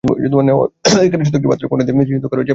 এখানে শুধু একটি পাথরের খণ্ড দিয়ে চিহ্নিত করা আছে একেকটি কবর।